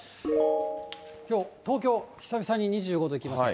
きょう、東京、久々に２５度いきました。